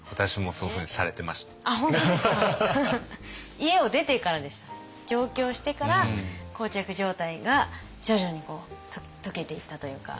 家を出てからでしたね上京してから膠着状態が徐々に解けていったというか。